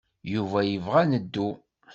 Yuba yebɣa ad neddu.